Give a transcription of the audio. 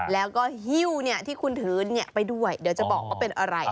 แล้วก็หิ้วที่คุณถือไปด้วยเดี๋ยวจะบอกว่าเป็นอะไร